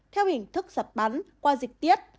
theo hình thức sạch bắn qua dịch tiết